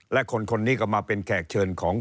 และคนนี้ก็มาเป็นแขกเชิญของ